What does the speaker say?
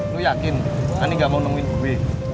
lo yakin ani gak mau nemuin gue